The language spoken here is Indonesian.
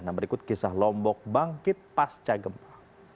nah berikut kisah lombok bangkit pasca gempa